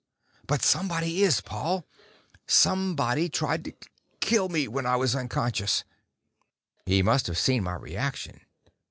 "But somebody is, Paul. Somebody tried to kill me while I was unconscious!" He must have seen my reaction.